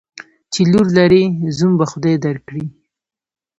چی لور لرې ، زوم به خدای در کړي.